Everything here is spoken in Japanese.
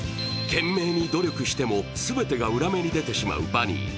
懸命に努力しても全てが裏目に出てしまうバニー。